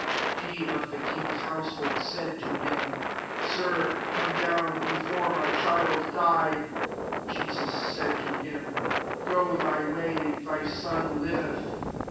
49 He of the king's household said to him, '< Sir, come down, be fore my child die*" 50 Jesus said to him, *« Go thy way, thy son liveth.''